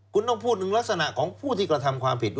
คุณต้องพูดถึงลักษณะของผู้ที่กระทำความผิดด้วย